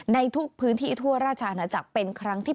ในทุกพื้นที่ทั่วราชอาณาจักรเป็นครั้งที่๑